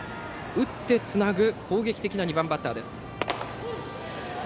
打ってつなぐ攻撃的な２番バッターです。